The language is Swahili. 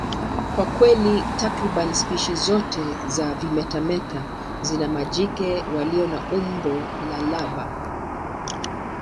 Kwa kweli, takriban spishi zote za vimetameta zina majike walio na umbo la lava.